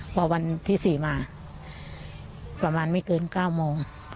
พอวันที่สี่มาปะมานไม่เกินเก้าโมง